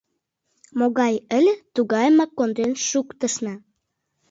Могай ыле — тугайымак конден шуктышна!